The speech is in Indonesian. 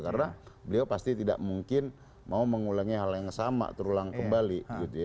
karena beliau pasti tidak mungkin mau mengulangi hal yang sama terulang kembali